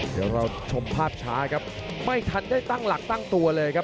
เดี๋ยวเราชมภาพช้าครับไม่ทันได้ตั้งหลักตั้งตัวเลยครับ